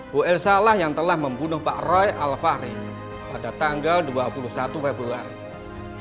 bu elsa lah yang telah membunuh pak roy alfahri pada tanggal dua puluh satu februari